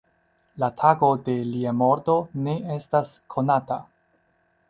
La tago de lia morto ne estas konata.